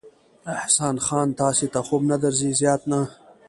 احسان خان، تاسې ته خوب نه درځي؟ زیات نه.